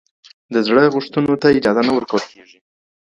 د زړه غوښتنو ته اجازه نه ورکول کېږي.